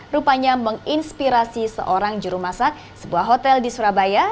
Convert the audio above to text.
rupanya menginspirasi seorang jurumasak sebuah hotel di surabaya